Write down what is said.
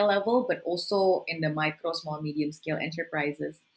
tetapi juga di perusahaan kecil kecil dan sedikit